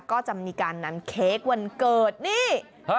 ก็จะมีการนำเค้กวันเกิดนี่